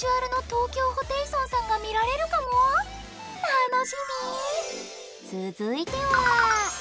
楽しみ。